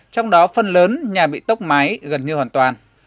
trong đó phân lớn nhà bị tốc máy gần như hoàn toàn